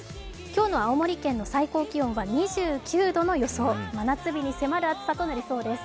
今日の青森県の最高気温は２９度の予想、真夏日に迫る暑さとなりそうです。